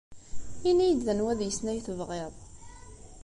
Ini-iyi-d anwa deg-sen ay tebɣiḍ.